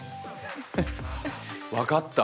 分かった。